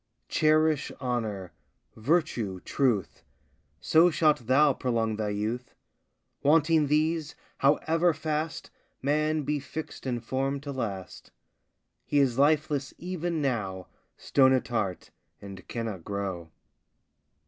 Cherish honour, virtue, truth, So shalt thou prolong thy youth. Wanting these, however fast Man be fix'd and form'd to last, He is lifeless even now, Stone at heart, and cannot grow.